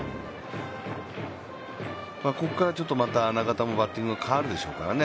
ここから中田もバッティング変わるでしょうからね。